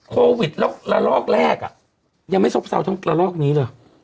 โควิดละลอกแรกยังไม่ซ่อบเศร้าทั้งละลอกนี้หรือ